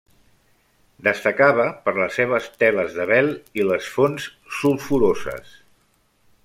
Destacava per les seves teles de vel i les fonts sulfuroses.